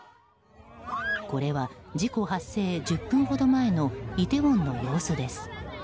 これは、事故発生１０分ほど前のイテウォンの様子です。